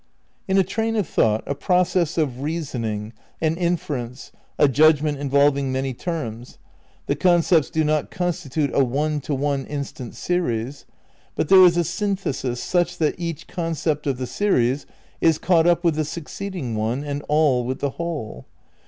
In a train of thought, a process of reasoning, an in ference, a judgment involving many terms, the con cepts do not constitute a one to one instant series, but there is a synthesis such that each concept of the series is caught up with the succeeding one and all with the whole.